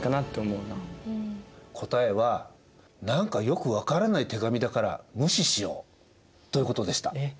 答えは何かよく分からない手紙だから無視しようということでした。